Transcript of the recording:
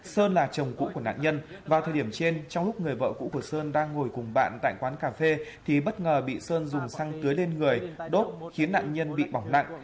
sơn là chồng cũ của nạn nhân vào thời điểm trên trong lúc người vợ cũ của sơn đang ngồi cùng bạn tại quán cà phê thì bất ngờ bị sơn dùng xăng tưới lên người đốt khiến nạn nhân bị bỏng nặng